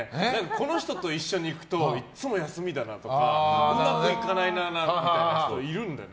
この人と一緒に行くといつも休みだなとかうまくいかないなみたいな人いるんだよ。